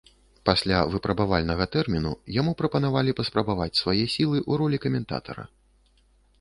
Пасля выпрабавальнага тэрміну яму прапанавалі паспрабаваць свае сілы ў ролі каментатара.